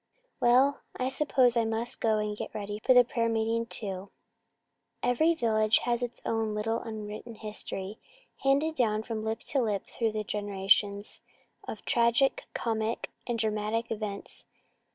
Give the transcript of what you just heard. Well, I suppose I must go and get ready for the prayer meeting, too." Every village has its own little unwritten history, handed down from lip to lip through the generations, of tragic, comic, and dramatic events.